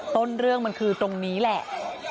ต้นเรื่องมันคือตรงนี้แหละ